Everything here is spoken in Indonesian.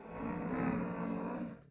kabur lagi kejar kejar kejar